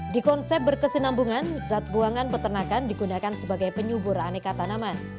di konsep berkesinambungan zat buangan peternakan digunakan sebagai penyubur aneka tanaman